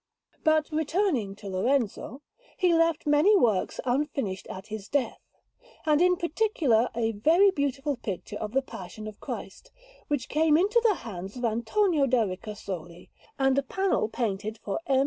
But returning to Lorenzo: he left many works unfinished at his death, and, in particular, a very beautiful picture of the Passion of Christ, which came into the hands of Antonio da Ricasoli, and a panel painted for M.